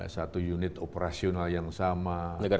satu unit operasional yang sama